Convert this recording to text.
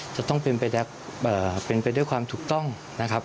จะต้องเป็นไปด้วยความถูกต้องนะครับ